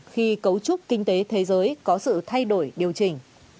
khi cấu trúc kinh tế thế giới có sự thay đổi điều chỉnh